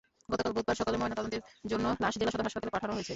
গতকাল বুধবার সকালে ময়নাতদন্তের জন্য লাশ জেলা সদর হাসপাতালে পাঠানো হয়েছে।